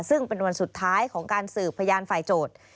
ซึ่งเป็นวันสุดท้ายของการสืบพยานฝ่ายโจทย์